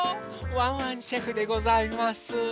ワンワンシェフでございます。